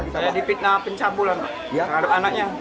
saya difitnah pencabulan terhadap anaknya